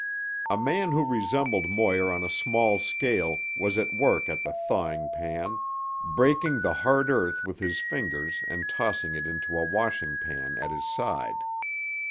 A man who resembled Moir on a small scale was at work at the thawing pan, breaking the hard earth with his fingers and tossing it into a washing pan at his side.